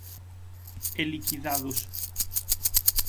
E liquidados.